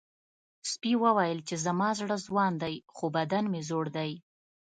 سپي وویل چې زما زړه ځوان دی خو بدن مې زوړ دی.